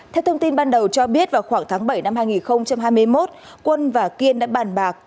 theo thông tin ban đầu cho biết vào khoảng tháng bảy năm hai nghìn hai mươi một quân và kiên đã bàn bạc